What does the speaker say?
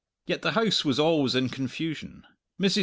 Yet the house was always in confusion. Mrs.